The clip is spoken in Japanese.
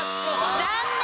残念。